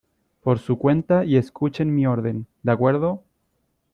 por su cuenta y escuchen mi orden, ¿ de acuerdo?